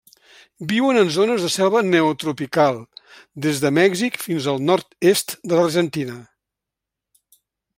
Viuen en zones de selva neotropical, des de Mèxic fins al nord-est de l'Argentina.